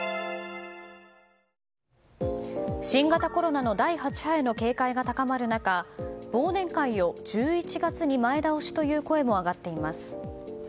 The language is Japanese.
新型コロナの第８波への警戒が高まる中忘年会を１１月に前倒しという声も上がっています。